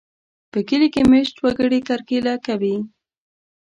په کلي کې مېشت وګړي کرکېله کوي.